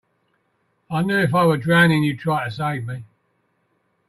I knew if I were drowning you'd try to save me.